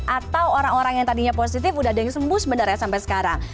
atau orang orang yang tadinya positif udah ada yang sembuh sebenarnya sampai sekarang